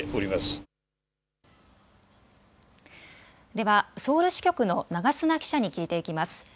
ではソウル支局の長砂記者に聞いていきます。